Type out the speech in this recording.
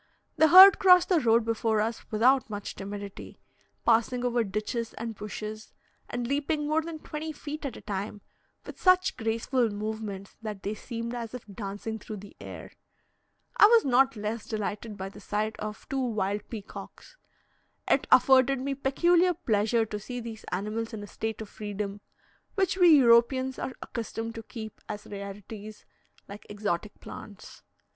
The herd crossed the road before us without much timidity, passing over ditches and bushes, and leaping more than twenty feet at a time, with such graceful movements that they seemed as if dancing through the air. I was not less delighted by the sight of two wild peacocks. It afforded me peculiar pleasure to see these animals in a state of freedom, which we Europeans are accustomed to keep as rarities, like exotic plants.